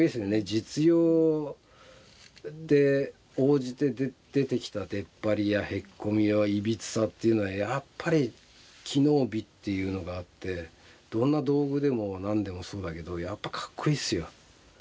実用で応じて出てきたでっぱりやへっこみやいびつさっていうのはやっぱり機能美っていうのがあってどんな道具でも何でもそうだけどやっぱかっこいいっすよ。